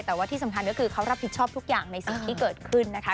แต่ว่าที่สำคัญก็คือเขารับผิดชอบทุกอย่างในสิ่งที่เกิดขึ้นนะคะ